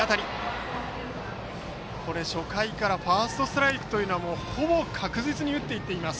初回からファーストストライクはほぼ確実に打っていっています